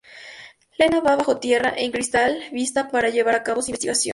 Lena va bajo tierra en Crystal Vista para llevar a cabo su investigación.